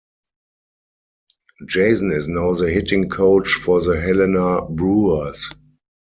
Jason is now the hitting coach for the Helena Brewers.